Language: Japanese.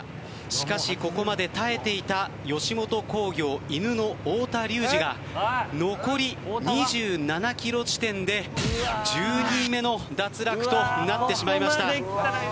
しかし、ここまで耐えていた吉本興業いぬの太田隆司が残り２７ｋｍ地点で１０人目の脱落となってしまいました。